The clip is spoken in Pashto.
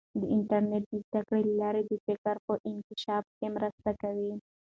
د انټرنیټ د زده کړې له لارې د فکر په انکشاف کې مرسته کوي.